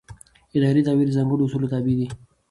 اداري دعوې د ځانګړو اصولو تابع دي.